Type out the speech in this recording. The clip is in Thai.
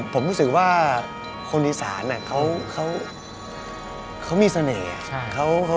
ผมรู้สึกว่าคนอีสานเขามีเสน่ห์